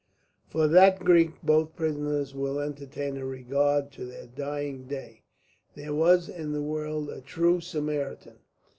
For that Greek both prisoners will entertain a regard to their dying day. There was in the world a true Samaritan.